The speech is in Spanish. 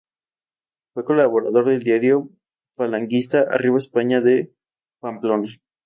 Fue colaborador del diario falangista "Arriba España" de Pamplona.